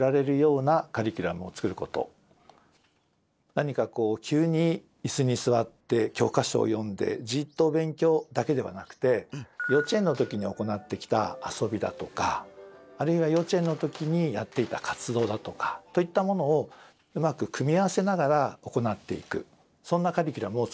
何か急に椅子に座って教科書を読んでじっと勉強だけではなくて幼稚園の時に行ってきた遊びだとかあるいは幼稚園の時にやっていた活動だとかといったものをうまく組み合わせながら行っていくそんなカリキュラムを作っているんだ。